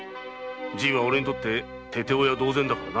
じいは俺にとって父親同然だからな。